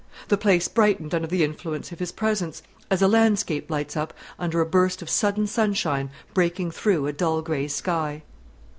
The place brightened under the influence of his presence, as a landscape lights up under a burst of sudden sunshine breaking through a dull grey sky.